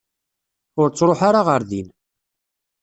Ur ttruḥ ara ɣer din.